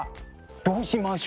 どうしましょう。